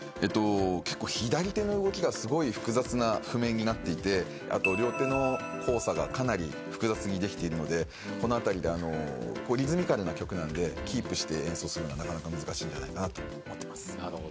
結構左手の動きがすごい複雑な譜面になっていてあと両手の交差がかなり複雑にできているのでこのあたりでリズミカルな曲なんでキープして演奏するのはなかなか難しいんじゃないかなと思ってます。